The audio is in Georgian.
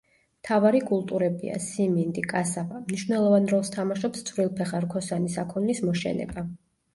მთავარი კულტურებია: სიმინდი, კასავა; მნიშვნელოვან როლს თამაშობს წვრილფეხა რქოსანი საქონლის მოშენება.